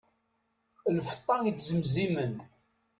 Lfeṭṭa ittzemzimen.